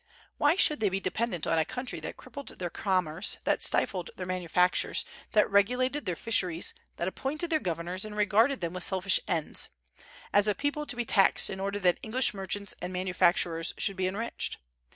Why should they be dependent on a country that crippled their commerce, that stifled their manufactures, that regulated their fisheries, that appointed their governors, and regarded them with selfish ends, as a people to be taxed in order that English merchants and manufacturers should be enriched?